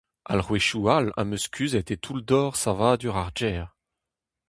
Alc'hwezioù all am eus kuzhet e toull-dor savadur ar gêr.